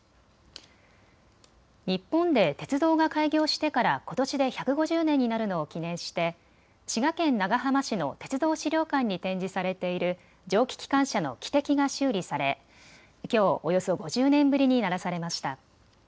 日本で鉄道が開業してからことしで１５０年になるのを記念して滋賀県長浜市の鉄道資料館に展示されている蒸気機関車の汽笛が修理されきょうおよそ５０年ぶりに鳴らされました。